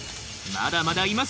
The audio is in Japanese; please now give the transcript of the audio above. まだまだいます